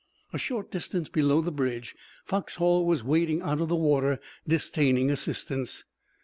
A short distance below the bridge Foxhall was wading out of the water, disdaining assistance.